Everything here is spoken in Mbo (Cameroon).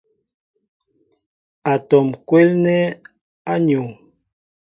Atɔm kwélnɛ a nuu.